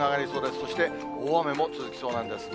そして大雨も続きそうなんです。